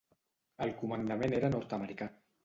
El comandament era nord-americà.